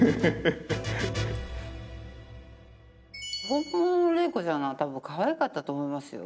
本物の麗子ちゃんの方が多分かわいかったと思いますよ。